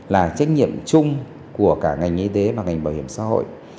là trách nhiệm chung của cả ngành y tế và ngành bảo hiểm xã hội